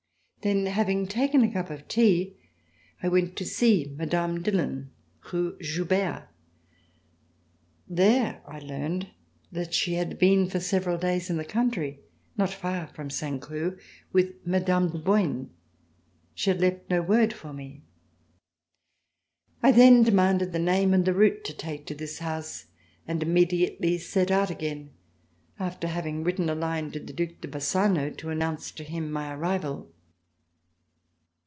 Then, having taken a cup of tea, I went to see Mme. Dillon, Rue Joubert. There I learned that she had been for several days In the country, not far from Saint Cloud, with Mme. de Bolgne. She had left no word for me. I then demanded the name, and the route to take to this house, and immediately set out again, after having written a line to the Due de Bassano, to announce to him my arrival.